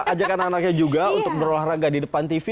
ajak anak anaknya juga untuk berolahraga di depan tv